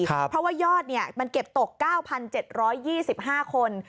เพราะว่ายอดมันเก็บตก๙๗๒๕คน